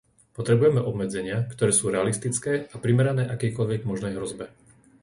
Potrebujeme obmedzenia, ktoré sú realistické a primerané akejkoľvek možnej hrozbe.